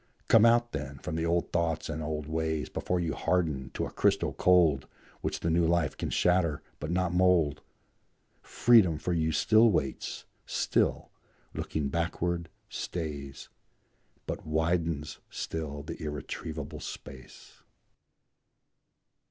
Come out, then, from the old thoughts and old ways, Before you harden to a crystal cold Which the new life can shatter, but not mould; Freedom for you still waits, still, looking backward, stays, But widens still the irretrievable space.